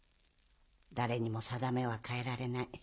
誰にも運命は変えられない。